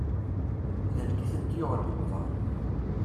D nekk i tent-yuɣen g uḍaṛ.